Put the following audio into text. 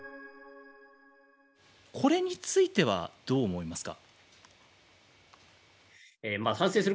これについてはどう思いますか。